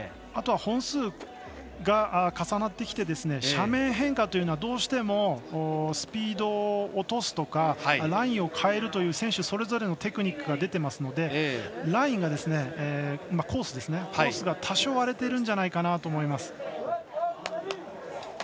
あとは本数が重なってきて斜面変化というのは、どうしてもスピードを落とすとかラインを変えるという選手それぞれのテクニックが出てますのでコースが多少、荒れているんじゃないかなと思います。